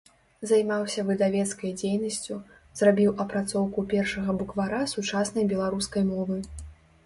Займаўся выдавецкай дзейнасцю, зрабіў апрацоўку першага буквара сучаснай беларускай мовы.